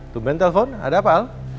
tungguin telfon ada apa al